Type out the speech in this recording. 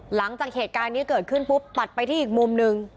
หลังจากเหตุการณ์นี้เกิดขึ้นปุ๊บตัดไปที่อีกมุมหนึ่ง